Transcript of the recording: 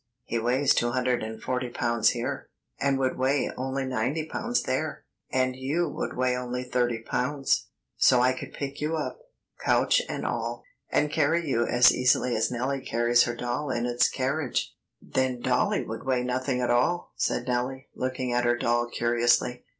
"He weighs two hundred and forty pounds here, and would weigh only ninety pounds there, and you would weigh only thirty pounds. So I could pick you up, couch and all, and carry you as easily as Nellie carries her doll in its doll carriage." "Then dollie would weigh nothing at all," said Nellie, looking at her doll curiously.